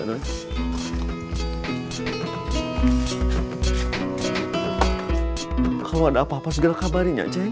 kalau ada apa apa segala kabarin ya ceng